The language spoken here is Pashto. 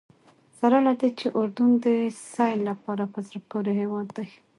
سره له دې چې اردن د سیل لپاره په زړه پورې هېواد دی.